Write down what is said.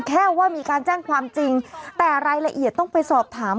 แค่ว่ามีการแจ้งความจริงแต่รายละเอียดต้องไปสอบถาม